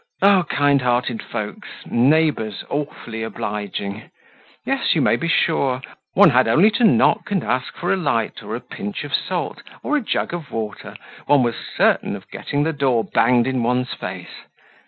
Oh! kind hearted folks, neighbors awfully obliging! Yes, you may be sure! One had only to knock and ask for a light or a pinch of salt or a jug of water, one was certain of getting the door banged in one's face.